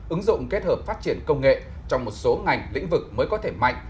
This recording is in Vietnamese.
ứng dụng kết hợp phát triển công nghệ trong một số ngành lĩnh vực mới có thể mạnh